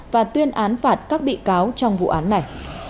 và tuyên án phạt các bị cáo trong vụ án này